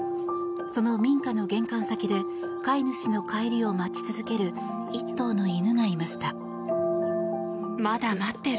その民家の玄関先で飼い主の帰りを待ち続ける１頭の犬がいました。